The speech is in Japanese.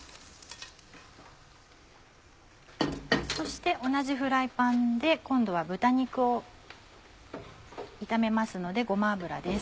そして同じフライパンで今度は豚肉を炒めますのでごま油です。